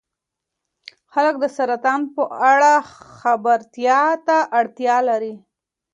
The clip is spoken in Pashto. خلک د سرطان په اړه خبرتیا ته اړتیا لري.